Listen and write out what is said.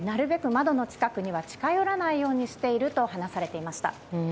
窓の近くには近寄らないようにしていると話されていました。